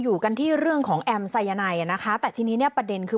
อยู่กันที่เรื่องของแอมไซยาไนอ่ะนะคะแต่ทีนี้เนี่ยประเด็นคือ